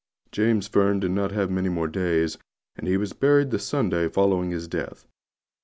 James Fern did not live many more days, and he was buried the Sunday following his death.